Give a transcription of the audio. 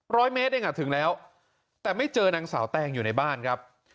ร้อยเมตรเองอ่ะถึงแล้วแต่ไม่เจอนางสาวแตงอยู่ในบ้านครับ